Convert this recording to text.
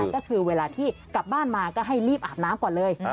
ก็คือเวลาที่กลับบ้านมาก็ให้รีบอาบน้ำก่อนเลย